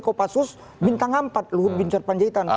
kopassus bintang empat luhut bin sarpanjaitan